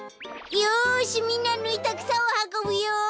よしみんなぬいたくさをはこぶよ！